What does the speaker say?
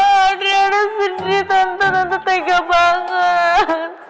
adriana sedih tante tante tega banget